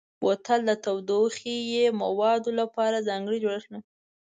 بوتل د تودوخهيي موادو لپاره ځانګړی جوړښت لري.